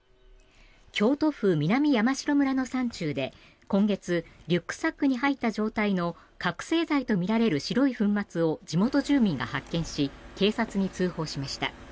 京都府南山城村の山中で今月リュックサックに入った状態の覚醒剤とみられる白い粉末を地元住民が発見し警察に通報しました。